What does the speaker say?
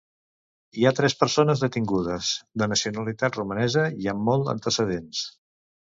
Hi ha tres persones detingudes, de nacionalitat romanesa i amb molt antecedents.